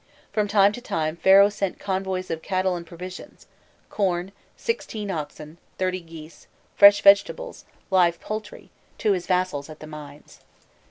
From time to time Pharaoh sent convoys of cattle and provisions corn, sixteen oxen, thirty geese, fresh vegetables, live poultry to his vassals at the mines.